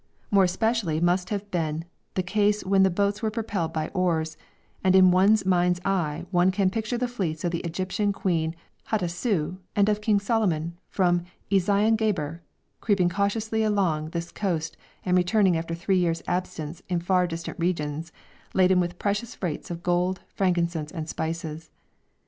More especially must this have been the case when the boats were propelled by oars, and in one's mind's eye one can picture the fleets of the Egyptian Queen Hatasou and of King Solomon from Eziongeber creeping cautiously along this coast and returning after three years' absence in far distant regions laden with precious freights of gold, frankincense, and spices.